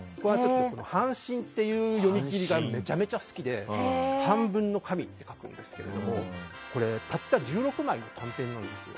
「半神」という読み切りがめちゃくちゃ好きで半分の神と書くんですけどたった１６枚の短編なんですよ。